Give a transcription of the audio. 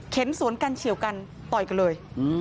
สวนกันเฉียวกันต่อยกันเลย